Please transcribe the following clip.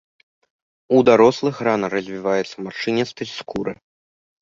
У дарослых рана развіваецца маршчыністасць скуры.